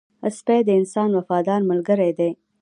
سپی د انسان وفادار ملګری دی